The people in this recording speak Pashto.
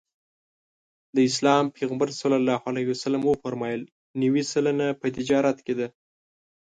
د اسلام پیغمبر ص وفرمایل نوې سلنه په تجارت کې ده.